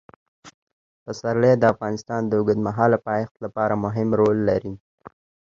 پسرلی د افغانستان د اوږدمهاله پایښت لپاره مهم رول لري.